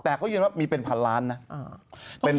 แต่เขายืนว่ามีเป็น๑๐๐๐ล้านเป็น๑๐๐๐